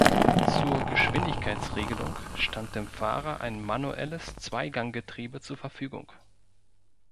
Zur Geschwindigkeitsregelung stand dem Fahrer ein manuelles Zweiganggetriebe zur Verfügung.